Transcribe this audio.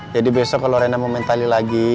jadi besok kalo rena mau main tali lagi